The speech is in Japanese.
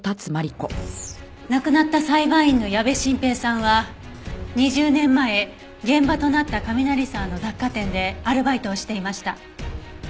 亡くなった裁判員の矢部晋平さんは２０年前現場となった加美鳴沢の雑貨店でアルバイトをしていました。